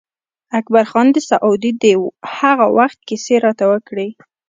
اکبر خان د سعودي د هغه وخت کیسې راته وکړې.